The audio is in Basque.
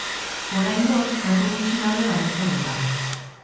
Oraingoz, datu gutxi daude baieztatuta.